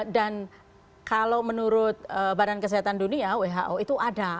dan kalau menurut badan kesehatan dunia who itu ada